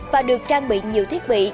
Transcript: và được trang bị nhiều thiết bị